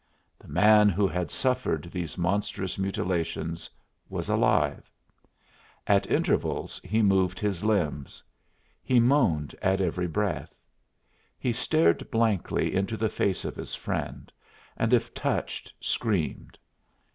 The man who had suffered these monstrous mutilations was alive. At intervals he moved his limbs; he moaned at every breath. He stared blankly into the face of his friend and if touched screamed.